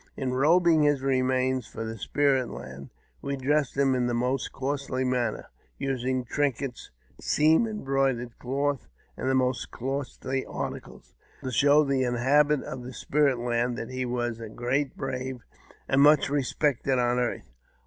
In robing his remains for the spirit land, we dressed him in the most costly manner, using trinkets, seam embroidered cloth, and the most costly articles, to show the inhabitants of the spirit land that he was a great brave, and much respected on earth.